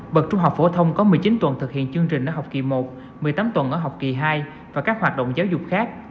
bậc trung học phổ thông có một mươi chín tuần thực hiện chương trình ở học kỳ một một mươi tám tuần ở học kỳ hai và các hoạt động giáo dục khác